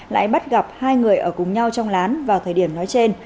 lại bắt gặp hai người ở cùng nhau trong lán vào thời điểm nói trên